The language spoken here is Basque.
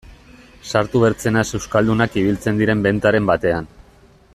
Sartu bertzenaz euskaldunak ibiltzen diren bentaren batean...